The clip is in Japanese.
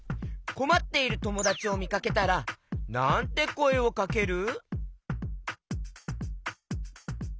こまっているともだちをみかけたらなんてこえをかける？